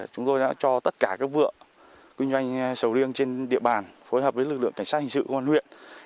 chúng tôi đã cho tất cả các vựa kinh doanh sầu riêng trên địa bàn phối hợp với lực lượng cảnh sát hình sự công an huyện